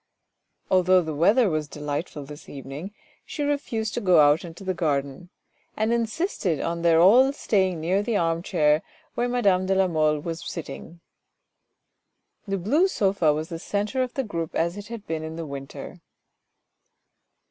Although the weather was delightful this evening, she refused to go out into the garden, and in sisted on their all staying near the arm chair where madame de la Mole was sitting. The blue sofa was the centre of the group as it had been in the winter.